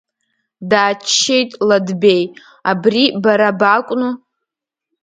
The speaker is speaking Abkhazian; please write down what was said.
Дааччеит Ладбеи, абри бара бакәну?